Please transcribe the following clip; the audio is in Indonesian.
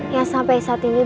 yang sampai saat ini